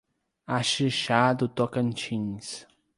Axixá do Tocantins